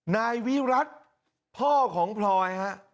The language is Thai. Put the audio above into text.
นายวิรัติพ่อของพลอยฮะ